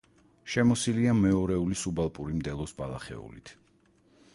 შემოსილია მეორეული სუბალპური მდელოს ბალახეულით.